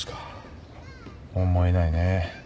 思えないね。